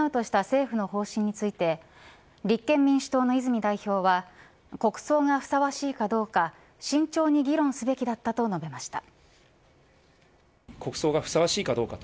政府の方針について立憲民主党の泉代表は国葬がふさわしいかどうか慎重に議論すべきだったと述べました。